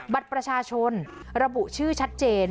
บัตรประชาชนระบุชื่อชัดเจน